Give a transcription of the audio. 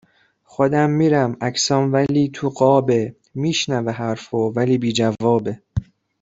خودم میرم عکسام ولی تو قابه میشنوه حرفو ولی بی جوابه